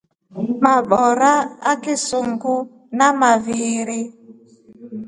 Mabora aksunguu nemaviiri.